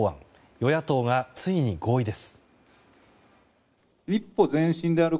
与野党がついに合意です。